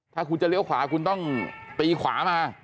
ถ้าคุณจะเลี้ยวขวาคุณต้องตีขวามา